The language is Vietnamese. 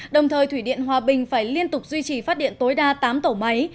đồng thời thủy điện hòa bình phải liên tục duy trì phát điện tối đa tám tổ máy